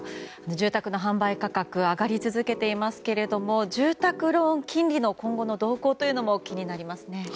住宅の販売価格上がり続けていますが住宅ローン金利の今後の動向も気になりますね。